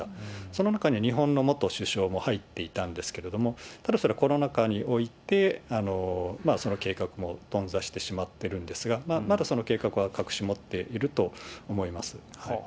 その中に日本の元首相も入っていたんですけれども、ただそれはコロナ禍において、その計画も頓挫してしまってるんですが、まだその計画は隠し持っていると思います。